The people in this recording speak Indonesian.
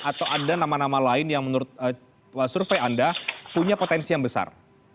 atau ada nama nama lain yang menurut survei anda punya potensi yang besar